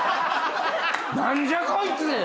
何じゃこいつ！